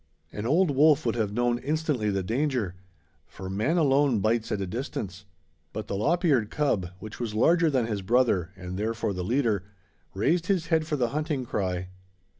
An old wolf would have known instantly the danger, for man alone bites at a distance; but the lop eared cub, which was larger than his brother and therefore the leader, raised his head for the hunting cry.